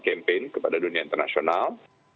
campaign kepada dunia internasional